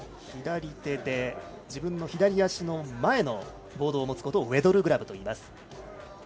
左手で自分の左足前のボードを持つことをウェドルグラブといいます。